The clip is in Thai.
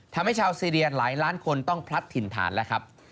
ทำให้ชาวซีเรียหลายล้านคนต้องพลัดถิ่นฐานแล้วครับ